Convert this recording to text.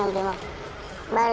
baru dimasukin ke mobil forex